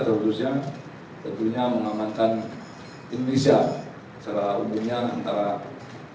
terutama rusia tentunya mengamankan indonesia secara umumnya antara tni dan pod